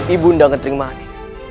ibu ndanget ringmanin